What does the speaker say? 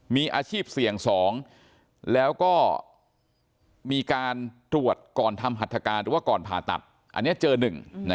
มีอาชีพเสี่ยง๒แล้วก็มีการตรวจก่อนทำหัตถการหรือว่าก่อนผ่าตัดอันนี้เจอ๑